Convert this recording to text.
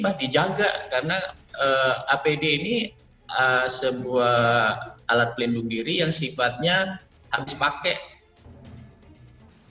atau enggak karena apd ini sebuah alat pelindung diri yang sifatnya harus dipakai